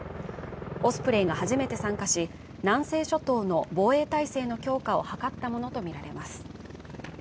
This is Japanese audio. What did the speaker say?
オスプレイが初めて参加し、南西諸島の防衛体制の強化を図ったものとみられます。